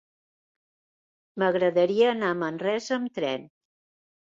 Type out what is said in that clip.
M'agradaria anar a Manresa amb tren.